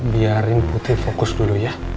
biarin putih fokus dulu ya